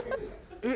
えっ？